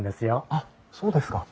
あっそうですか。